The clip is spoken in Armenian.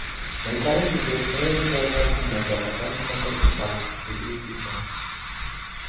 Ներկայում միջոցներ ենք ձեռնարկում մեր դատական համակարգը բարեփոխելու ուղղությամբ։